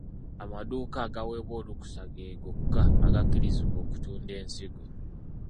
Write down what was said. Amadduuka agaaweebwa olukusa ge gokka agakkirizibwa okutunda ensigo.